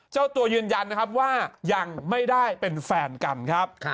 เจ้าตัวยืนยันนะครับว่ายังไม่ได้เป็นแฟนกันครับ